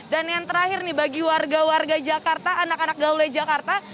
dan yang terakhir nih bagi warga warga jakarta anak anak gaulnya jakarta